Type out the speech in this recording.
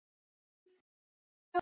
餐桌上有满满一大锅肉燥